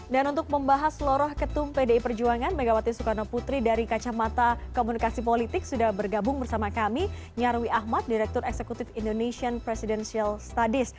dan untuk membahas loroh ketum pdi perjuangan megawati sukarno putri dari kacamata komunikasi politik sudah bergabung bersama kami nyarwi ahmad direktur eksekutif indonesian presidential studies